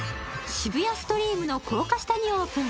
渋谷ストリームの高架下にオープン。